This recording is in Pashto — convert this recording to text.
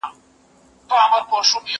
زه خبري کړي دي!؟